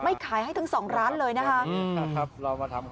ไม่ขายให้ทั้งสองร้านเลยนะครับ